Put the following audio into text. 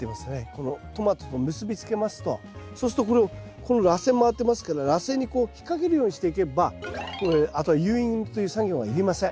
このトマトと結び付けますとそうするとこのらせん回ってますけどらせんに引っ掛けるようにしていけばあとは誘引という作業はいりません。